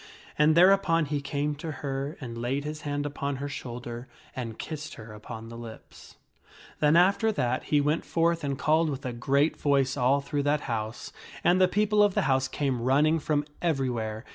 And thereupon he came to her and laid his hand upon her shoulder and kissed her upon the lips. SIGNIFICANCE OF THE STORY OF SIR GAWAINE 31 1 Then, after that, he went forth and called with a great voice all through that house, and the people of the house came running from everywhere.